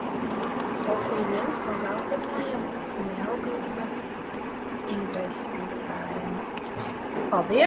Tās ir vienas no galvenajām neauglības izraisītājām.